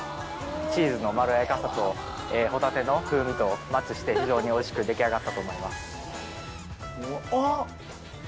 チーズのまろやかさとホタテの風味と、マッチして非常においしくあっ！